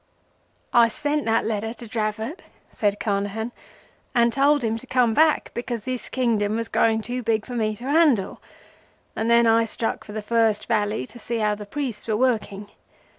"I sent that letter to Dravot," said Carnehan; "and told him to come back because this Kingdom was growing too big for me to handle, and then I struck for the first valley, to see how the priests were working.